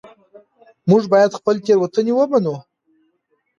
موږ باید خپلې تېروتنې ومنو